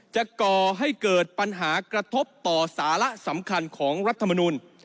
ก่อให้เกิดปัญหากระทบต่อสาระสำคัญของรัฐมนุน